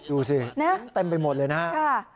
ดูสิเต็มไปหมดเลยนะผมค่ะ